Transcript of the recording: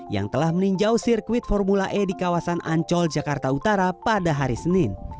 yang telah meninjau sirkuit formula e di kawasan ancol jakarta utara pada hari senin